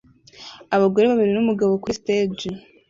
Abagore babiri numugabo kuri stage